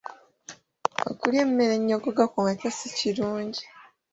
Okulya emmere ennyogoga kumakya si kirungi.